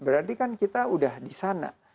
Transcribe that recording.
berarti kan kita udah di sana